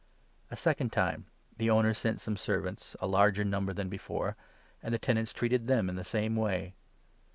A second time the owner sent some servants, a larger 36 number than before, and the tenants treated them in the same way.